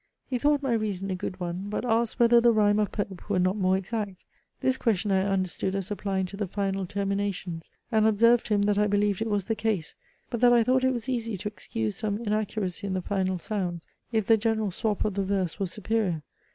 He thought my reason a good one; but asked whether the rhyme of Pope were not more exact. This question I understood as applying to the final terminations, and observed to him that I believed it was the case; but that I thought it was easy to excuse some inaccuracy in the final sounds, if the general sweep of the verse was superior.